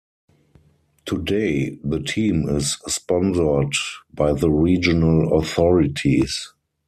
Today, the team is sponsored by the regional authorities.